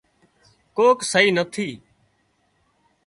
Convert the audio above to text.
ڪوڪ سئي نٿي